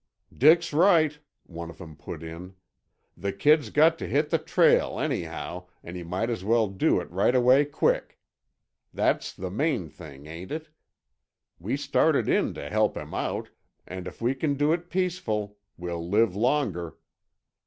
"Dick's right," one of them put in. "The kid's got to hit the trail, anyhow, and he might as well do it right away quick. That's the main thing, ain't it. We started in to help him out, and if we can do it peaceful, we'll live longer.